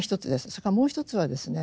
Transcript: それからもう一つはですね